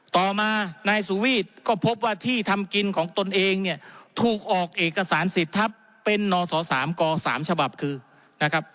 ต่อมานายสุวีทก็พบว่าที่ทำกินของตนเองเนี่ยถูกออกเอกสารสิทธิ์ทัพเป็นนศ๓ก๓ฉบับคือนะครับ